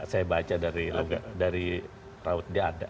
saya baca dari raut dia ada